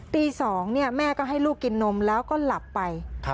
ตี๒แม่ก็ให้ลูกกินนมแล้วก็หลับไป